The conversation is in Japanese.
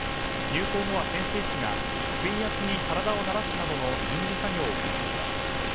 入港後は潜水士が水圧に体を慣らすなどの準備作業を行っています。